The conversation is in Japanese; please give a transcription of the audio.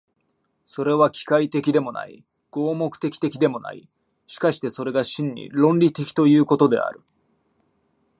それは機械的でもない、合目的的でもない、しかしてそれが真に論理的ということである。